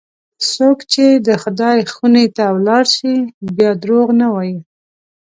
څوک چې د خدای خونې ته ولاړ شي، بیا دروغ نه وایي.